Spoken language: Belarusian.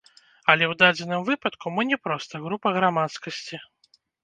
Але ў дадзеным выпадку мы не проста група грамадскасці.